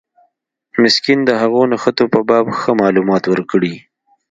مسکین د هغو نښتو په باب ښه معلومات ورکړي.